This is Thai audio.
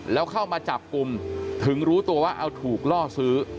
แล้วเข้ามาจับกลุ่มถึงรู้ตัวว่าเอาถูกล่อซื้อ